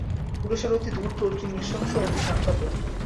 পুরুষেরা অতি ধূর্ত অতি নৃশংস অতি স্বার্থপর।